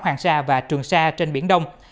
hoàng sa và trường sa trên biển đông